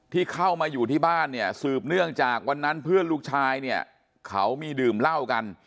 ที่เข้ามาอยู่ที่บ้านเนี่ยสืบเนื่องจากวันนั้นเพื่อนลูกชายเนี่ยเขามีดื่มเหล้ากัน